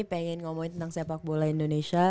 pengen ngomongin tentang sepak bola indonesia